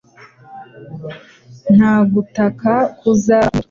Nta gutaka kuzaba kuriyo